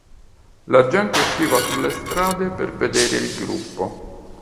La gente usciva sulle strade per vedere il gruppo.